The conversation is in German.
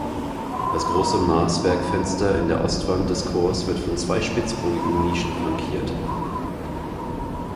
Das große Maßwerkfenster in der Ostwand des Chors wird von zwei spitzbogigen Nischen flankiert.